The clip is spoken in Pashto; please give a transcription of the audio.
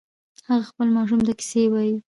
هغه خپل ماشوم ته کیسې وایې